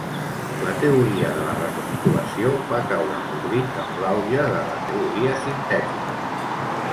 La teoria de la recapitulació va caure en l'oblit amb l'auge de la Teoria sintètica.